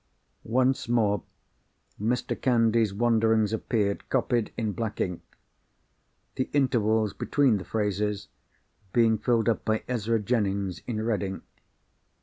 Once more, Mr. Candy's wanderings appeared, copied in black ink; the intervals between the phrases being filled up by Ezra Jennings in red ink.